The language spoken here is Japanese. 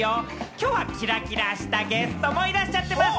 きょうはキラキラしたゲストもいらっしゃってます。